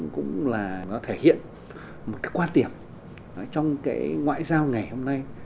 cũng là nó thể hiện một cái quan điểm trong cái ngoại giao ngày hôm nay